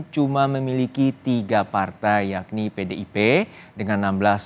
cuma memiliki tiga partai yakni pdip dengan enam belas